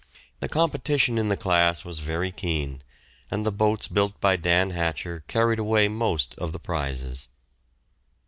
The competition in the class was very keen, and the boats built by Dan Hatcher carried away most of the prizes.